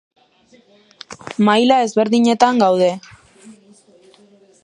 Maila ezberdinetan gaude.